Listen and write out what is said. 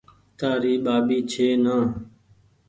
تآري ٻآٻي ڇي نآ